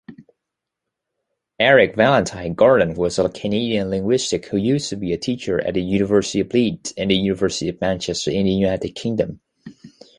Eric Valentine Gordon was a Canadian linguist who used to be a teacher at the University of Leeds and the University of Manchester in the United Kingdom.